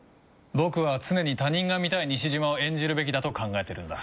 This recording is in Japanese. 僕は常に他人が見たい西島を演じるべきだと考えてるんだ。